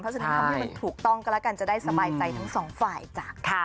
ฉะนั้นทำให้มันถูกต้องก็แล้วกันจะได้สบายใจทั้งสองฝ่ายจ้ะค่ะ